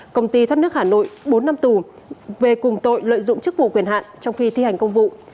công ty thoát nước hà nội bốn năm tù về cùng tội lợi dụng chức vụ quyền hạn trong khi thi hành công vụ